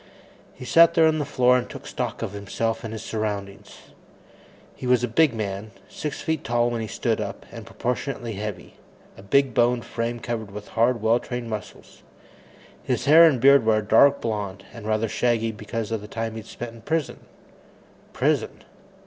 He sat there on the floor and took stock of himself and his surroundings. He was a big man six feet tall when he stood up, and proportionately heavy, a big boned frame covered with hard, well trained muscles. His hair and beard were a dark blond, and rather shaggy because of the time he'd spent in prison. Prison!